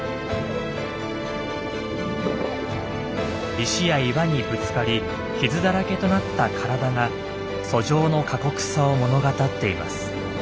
石や岩にぶつかり傷だらけとなった体が遡上の過酷さを物語っています。